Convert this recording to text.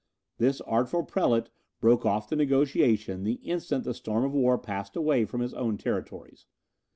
This artful prelate broke off the negotiation the instant the storm of war passed away from his own territories.